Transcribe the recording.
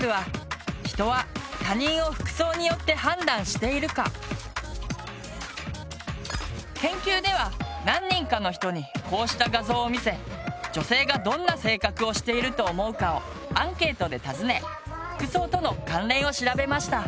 論文のタイトルは研究では何人かの人にこうした画像を見せ「女性がどんな性格をしていると思うか」をアンケートで尋ね服装との関連を調べました。